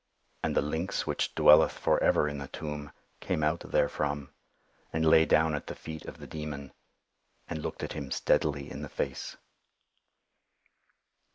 And the lynx which dwelleth forever in the tomb, came out therefrom, and lay down at the feet of the Demon, and looked at him steadily in the face.